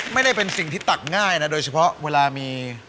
ไม่ได้เป็นสิ่งที่ตักง่ายนะโดยเฉพาะเวลามี